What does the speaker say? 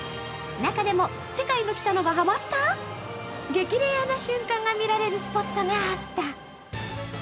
中でも世界のキタノがハマった、劇レアな瞬間が見られるスポットがあった。